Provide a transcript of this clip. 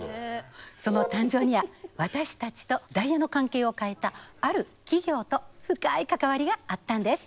その誕生には私たちとダイヤの関係を変えたある企業と深い関わりがあったんです。